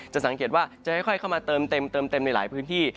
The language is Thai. สังเกตว่าจะค่อยเข้ามาเติมเต็มในหลายพื้นที่